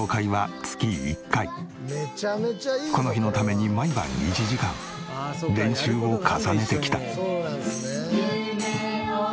この日のために毎晩１時間練習を重ねてきた。